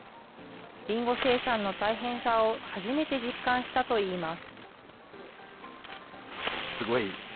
りんご生産の大変さを初めて実感したといいます。